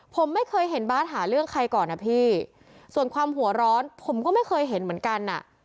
ผมไม่เคยเห็นบาร์ดหาเรื่องใครก่อนนะพี่ส่วนความหัวร้อนผมก็ไม่เคยเห็นเหมือนกันอ่ะ